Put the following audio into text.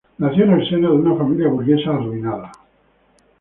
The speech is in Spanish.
Nació en el seno de una familia burguesa arruinada.